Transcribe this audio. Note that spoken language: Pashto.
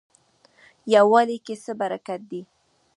یووالي کې څه برکت دی؟